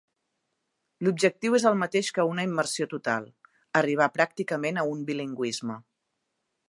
L'objectiu és el mateix que una immersió total: arribar pràcticament a un bilingüisme.